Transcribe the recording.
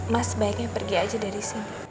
mas sebaiknya pergi aja dari sini